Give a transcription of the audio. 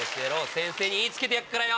先生に言い付けてやっからよ。